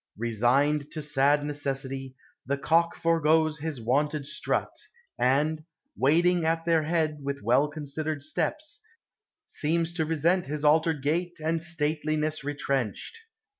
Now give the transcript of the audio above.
Resigned To sad necessit t y, the cock foregoes His wonted strut, and, wading at their head With well considered steps, seems to resent His altered gait and stateliness retrenched.